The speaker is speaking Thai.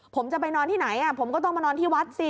ผมจะไปนอนที่ไหนผมก็ต้องมานอนที่วัดสิ